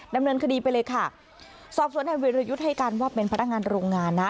ดำเนินคดีไปเลยค่ะสอบสวนนายวิรยุทธ์ให้การว่าเป็นพนักงานโรงงานนะ